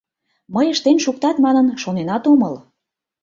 Мый ыштен шуктат манын шоненат омыл.